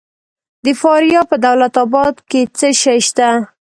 د فاریاب په دولت اباد کې څه شی شته؟